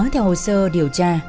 theo hồ sơ điều tra